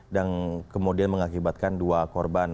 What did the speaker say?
dan kemudian mengakibatkan dua korban